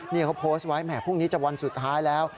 นี่เขาโพสต์ไว้แหมพรุ่งนี้จะวันสุดท้ายแล้ว